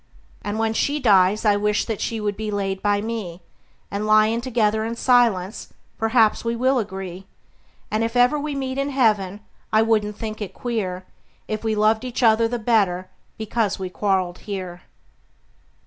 And when she dies I wish that she would be laid by me, And, lyin' together in silence, perhaps we will agree; And, if ever we meet in heaven, I wouldn't think it queer If we loved each other the better because we quarreled here.